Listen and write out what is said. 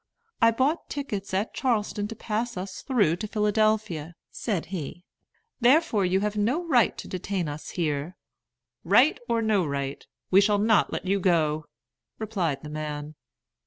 "I bought tickets at Charleston to pass us through to Philadelphia," said he; "therefore you have no right to detain us here." "Right or no right, we shall not let you go," replied the man.